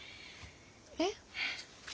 えっ？